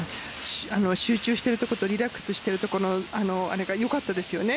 集中しているところとリラックスしているところがよかったですよね。